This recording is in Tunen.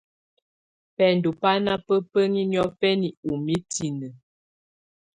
Bɛndɔ̀ bà nà baa bǝni niɔ̀fɛna ù mitini.